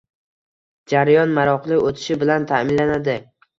jarayon maroqli o‘tishi bilan ta’minlanadi.